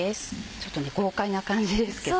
ちょっと豪快な感じですけどね